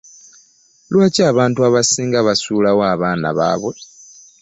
Lwaki abantu abasinga basulawo abaana baabwe.